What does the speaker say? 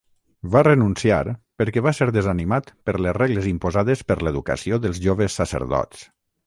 Va renunciar perquè va ser desanimat per les regles imposades per l'educació dels joves sacerdots.